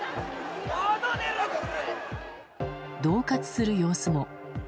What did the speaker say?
どう喝する様子も。